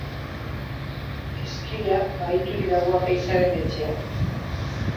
Ezkila bahiturik dago apaizaren etxean.